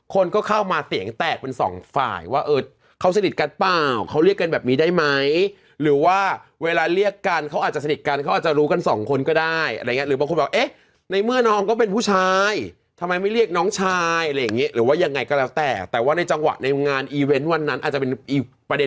คนก็เข้ามาเสียงแตกเป็นสองฝ่ายว่าเออเขาสนิทกันเปล่าเขาเรียกกันแบบนี้ได้ไหมหรือว่าเวลาเรียกกันเขาอาจจะสนิทกันเขาอาจจะรู้กันสองคนก็ได้อะไรอย่างเงี้หรือบางคนบอกเอ๊ะในเมื่อน้องก็เป็นผู้ชายทำไมไม่เรียกน้องชายอะไรอย่างเงี้หรือว่ายังไงก็แล้วแต่แต่ว่าในจังหวะในงานอีเวนต์วันนั้นอาจจะเป็นอีกประเด็น